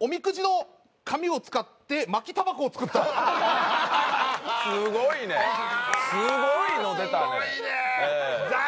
おみくじの紙を使って巻きたばこを作ったすごいねすごいの出たねすごいね！